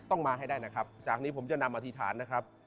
ต้องมาให้ได้นะครับจากนี้ผมจะนำอธิษฐานนะครับ